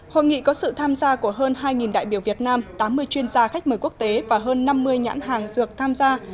hội nghị có sự tham gia của hơn hai đại biểu việt nam tám mươi chuyên gia khách mời quốc tế và hơn năm mươi nhãn hàng dược tham gia